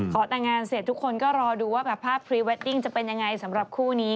ขอแต่งงานเสร็จทุกคนก็รอดูว่าแบบภาพพรีเวดดิ้งจะเป็นยังไงสำหรับคู่นี้